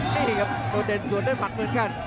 นี่ครับโดดเด่นสวนด้วยหมัดเหมือนกัน